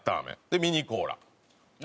でミニコーラ。